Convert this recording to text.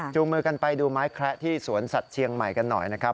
มือกันไปดูไม้แคละที่สวนสัตว์เชียงใหม่กันหน่อยนะครับ